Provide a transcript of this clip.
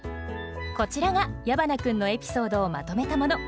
こちらが矢花君のエピソードをまとめたもの。